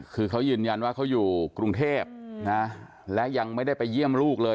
คือเขายืนยันว่าเขาอยู่กรุงเทพนะและยังไม่ได้ไปเยี่ยมลูกเลย